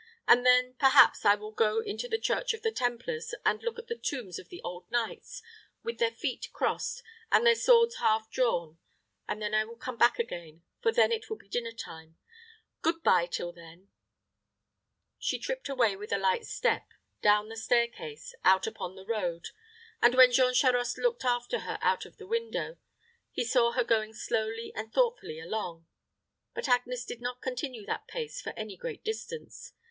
And then, perhaps, I will go into the Church of the Templar's, and look at the tombs of the old knights, with their feet crossed, and their swords half drawn; and then I will come back again; for then it will be dinner time. Good by till then." She tripped away with a light step, down the stair case, out upon the road; and when Jean Charost looked after her out of the window he saw her going slowly and thoughtfully along. But Agnes did not continue that pace for any great distance.